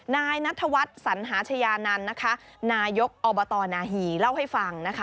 นายนัทวัฒน์สัญหาชายานันต์นะคะนายกอบตนาหี่เล่าให้ฟังนะคะ